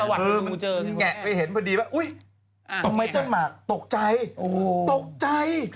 มันแงะไปเห็นพอดีป่ะอุ้ยตรงใบต้นหมากตกใจตกใจ